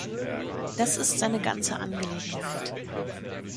Das ist seine ganze Angelegenheit.